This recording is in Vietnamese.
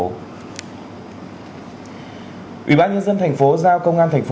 ubnd tp hà nội quyết định lập đoàn kiểm tra chéo đột xuất việc thực hiện phòng cháy chữa cháy trên địa bàn thành phố